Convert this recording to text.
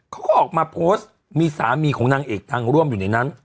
เขาก็ออกมาโพสต์มีสามีของนางเอกทางร่วมอยู่ในนั้น